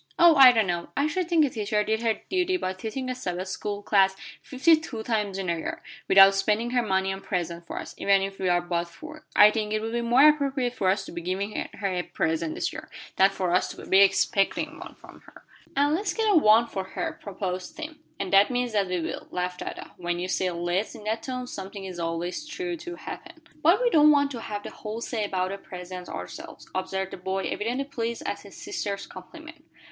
"Oh, I don't know. I should think a teacher did her duty by teaching a Sabbath school class fifty two times in a year, without spending her money on presents for us, even if we are but four. I think it would be more appropriate for us to be giving her a present this year, than for us to be expecting one from her." "And let's get up one for her," proposed Tim. "And that means that we will," laughed Ada. "When you say, 'let's' in that tone something is always sure to happen." "But we don't want to have the whole say about the presents ourselves," observed the boy, evidently pleased at his sister's compliment.